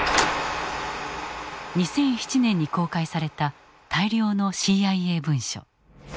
２００７年に公開された大量のＣＩＡ文書。